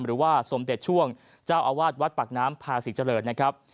หรือว่าสมเด็จช่วงเจ้าอาวาสวัดปากน้ำพาศรีเจริญนะครับ